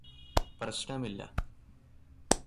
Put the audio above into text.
പ്രശ്നമില്ല